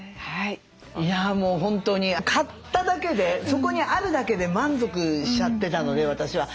いやもう本当に買っただけでそこにあるだけで満足しちゃってたので私は。